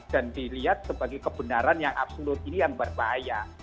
dan dilihat sebagai kebenaran yang absolut ini yang berbahaya